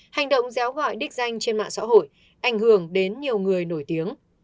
hành động giá gọi đích danh trên mạng xã hội ảnh hưởng đến nhiều người nổi tiếng